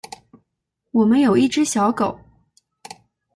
我们有一只小狗